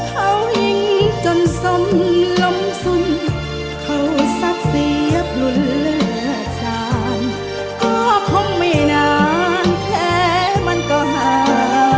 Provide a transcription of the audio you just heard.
เขาหิ้งจนสมลมสุนเขาสักเสียปรุญรักษานก็คงไม่นานแพ้มันก็ห่าง